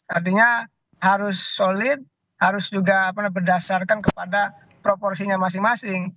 artinya harus solid harus juga berdasarkan kepada proporsinya masing masing